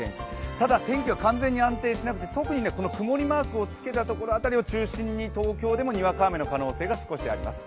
ただ天気は完全に安定しなくてこの曇りマークつけたところ中心に東京でもにわか雨の可能性が少しあります。